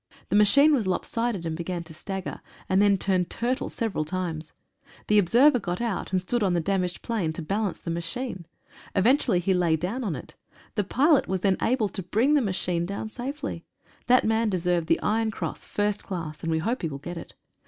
The machine was lop sided and began to stagger, and then turned turtle several times. The observer got out, and stood on the damaged plane to balance the machine. Eventually he lay down on it. The pilot was then able to bring the machine down safely. That man deserved the Iron Cross, First Class, and we hope he will get it.